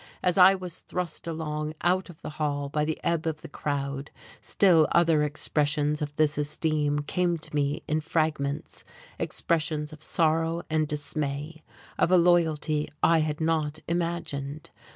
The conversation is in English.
As I was thrust along out of the hall by the ebb of the crowd still other expressions of this esteem came to me in fragments, expressions of sorrow and dismay, of a loyalty I had not imagined.